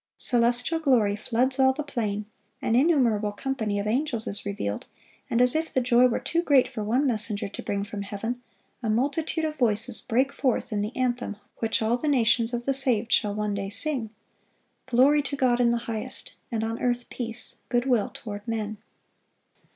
Celestial glory floods all the plain, an innumerable company of angels is revealed, and as if the joy were too great for one messenger to bring from heaven, a multitude of voices break forth in the anthem which all the nations of the saved shall one day sing, "Glory to God in the highest, and on earth peace, good will toward men."